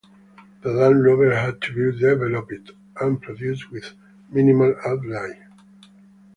The Land Rover had to be developed and produced with minimal outlay.